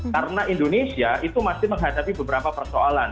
karena indonesia itu masih menghadapi beberapa persoalan